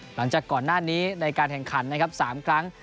หลังจากก่อนหน้านี้ในการแข่งขันนะครับ๓ครั้ง